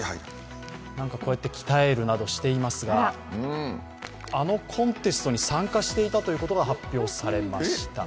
こうやって鍛えるなどしていますがあのコンテストに参加していたということが発表されました。